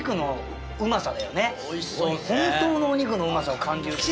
本当のお肉のうまさを感じる。